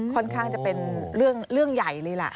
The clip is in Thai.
ค่อนข้างจะเป็นเรื่องใหญ่เลยล่ะ